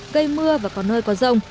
gây mưa và còn hơi có rông